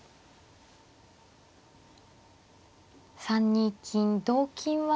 ３二金同金は。